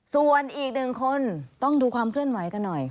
ส่วนอีกหนึ่งคนต้องดูความเคลื่อนไหวกันหน่อย